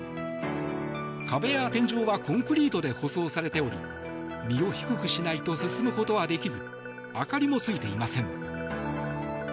壁や天井はコンクリートで舗装されており身を低くしないと進むことはできず明かりもついていません。